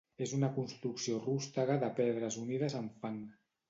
És una construcció rústega de pedres unides amb fang.